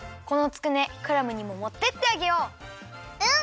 このつくねクラムにももってってあげよう。